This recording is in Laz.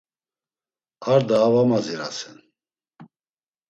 Ar daa va mazirasen.